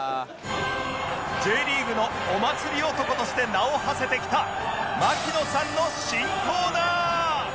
Ｊ リーグのお祭り男として名をはせてきた槙野さんの新コーナー